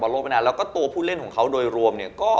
แล้วก็ตัวผู้เล่นของเขาโดยรวม